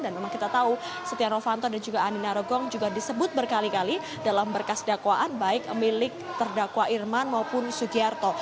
dan memang kita tahu setia novanto dan juga andi narogong juga disebut berkali kali dalam berkas dakwaan baik milik terdakwa irman maupun sugiarto